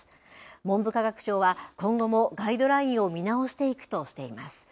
文部科学省は今後もガイドラインを見直していくとしています。